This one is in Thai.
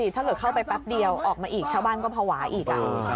ถ้าเกิดเข้าไปแป๊บเดียวออกมาอีกชาวบ้านก็ภาวะอีก